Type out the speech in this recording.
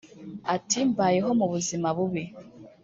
Ati “Mbayeho mu buzima bubi